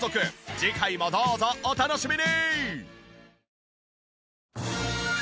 次回もどうぞお楽しみに！